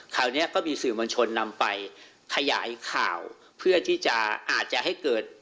คราวนี้ก็มีสื่อมวลชนนำไปขยายข่าวเพื่อที่จะอาจจะให้เกิด